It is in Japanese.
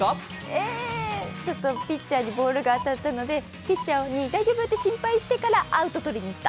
え、ピッチャーにボールが当たったのでピッチャーを大丈夫？って心配してからアウト取りに行った。